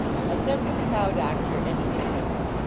I sent for the cow doctor and a detective.